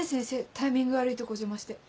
タイミング悪いとこお邪魔して。